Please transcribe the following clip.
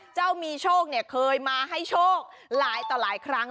เจ้ามีโชคเนี่ยเคยมาให้โชคหลายต่อหลายครั้ง